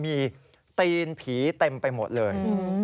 มีตีนผีเต็มไปหมดเลย